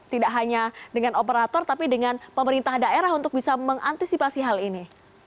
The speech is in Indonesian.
tidak hanya dengan operator tapi dengan pemerintah daerah untuk bisa mengantisipasi hal ini